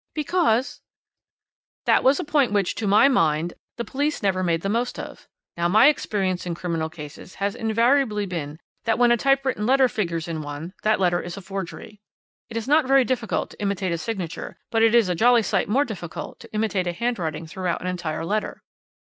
"Because " "That was a point which, to my mind, the police never made the most of. Now, my experience in criminal cases has invariably been that when a typewritten letter figures in one, that letter is a forgery. It is not very difficult to imitate a signature, but it is a jolly sight more difficult to imitate a handwriting throughout an entire letter."